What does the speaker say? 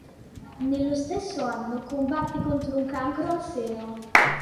Nello stesso anno combatte contro un cancro al seno.